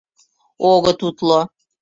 — Огыт утло!